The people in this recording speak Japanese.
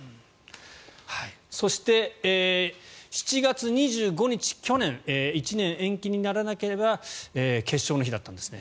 そして、７月２５日去年１年延期にならなければ決勝の日だったんですね。